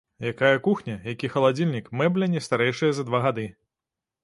Якая кухня, які халадзільнік, мэбля не старэйшая за два гады.